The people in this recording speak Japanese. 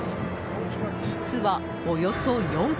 巣は、およそ４ｋｇ。